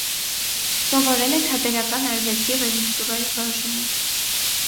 Սովորել է թատերական արվեստի ռեժիսուրայի բաժնում։